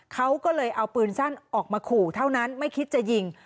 เขาก็เลยเอาปืนสั้นออกมาขู่เท่านั้นไม่คิดจะยิง